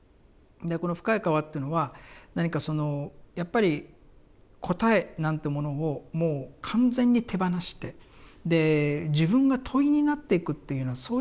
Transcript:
この「深い河」というのは何かそのやっぱり答えなんてものをもう完全に手放してで自分が問いになっていくというようなそういう小説なんだと思うんです。